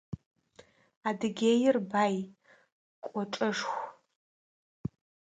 Адыгеир бай, кӏочӏэшху.